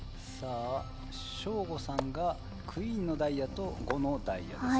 省吾さんがクイーンのダイヤと５のダイヤですね。